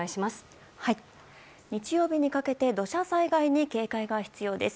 日曜日にかけて土砂災害に警戒が必要です。